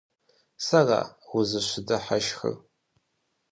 Сэра узыщыдыхьэшхыр?